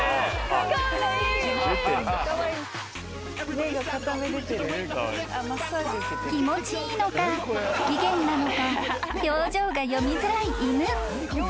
［楽しいのか不機嫌なのか表情が読みづらい犬］